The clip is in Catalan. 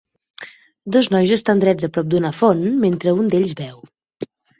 Dos nois estan drets a prop d'una font mentre un d'ells beu.